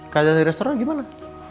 keadaan di restoran gimana